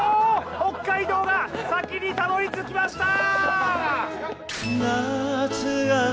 北海道が先にたどりつきましたー